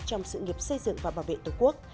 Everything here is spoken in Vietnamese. trong sự nghiệp xây dựng và bảo vệ tổ quốc